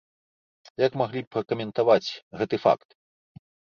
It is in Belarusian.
Як маглі б пракаментаваць гэты факт?